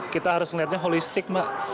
kita harus melihatnya holistik mbak